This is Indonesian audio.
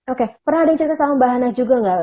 oke pernah ada cerita sama mbak hana juga nggak